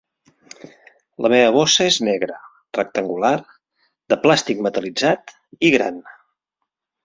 La meva bossa és negra, rectangular, de plàstic metal·litzat i gran.